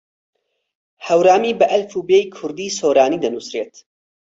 هەورامی بە ئەلفوبێی کوردیی سۆرانی دەنووسرێت.